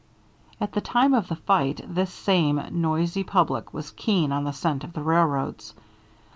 At the time of the fight, this same noisy public was keen on the scent of the railroads.